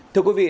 thưa quý vị